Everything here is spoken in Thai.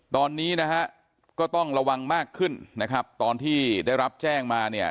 ตอนนี้นะฮะก็ต้องระวังมากขึ้นนะครับตอนที่ได้รับแจ้งมาเนี่ย